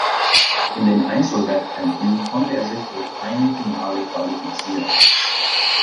In den Einzelwettkämpfen konnte er sich für kein Finale qualifizieren.